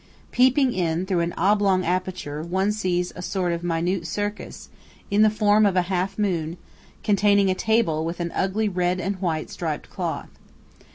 Peeping in, through an oblong aperture, one sees a sort of minute circus, in the form of a half moon, containing a table with an ugly red and white striped cloth.